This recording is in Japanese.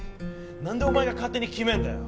なんでお前が勝手に決めるんだよ！